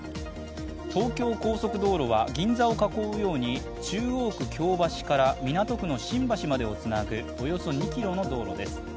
東京高速道路は銀座を囲うように中央区京橋から港区の新橋までをつなぐおよそ２ｋｍの道路です。